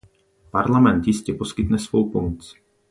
Parlament jistě poskytne svou pomoc.